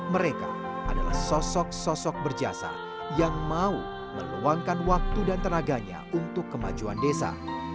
mereka adalah sosok sosok berjasa yang mau meluangkan waktu dan tenaganya untuk kemajuan desa